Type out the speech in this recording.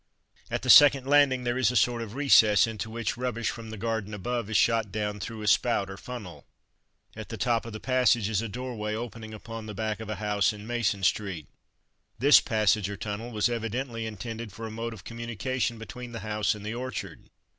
At the second landing there is a sort of recess, into which rubbish from the garden above is shot down through a spout or funnel. At the top of the passage is a doorway opening upon the back of a house in Mason street. This passage or tunnel was evidently intended for a mode of communication between the house and the orchard.